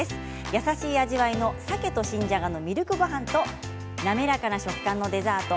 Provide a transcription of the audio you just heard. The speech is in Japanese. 優しい味わいのさけと新じゃがのミルクゴハンと滑らかな食感のデザート